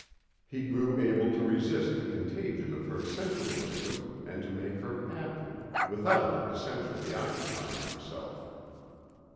He grew able to resist the contagion of her sensualism and to make her happy, without essentially occupying himself.